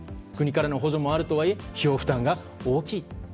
国からの補助もあるとはいえ費用負担が大きい。